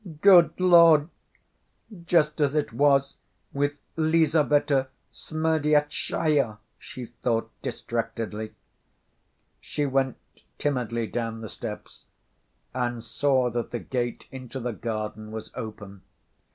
"Good Lord! Just as it was with Lizaveta Smerdyastchaya!" she thought distractedly. She went timidly down the steps and saw that the gate into the garden was open.